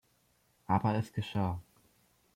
Aber es geschah.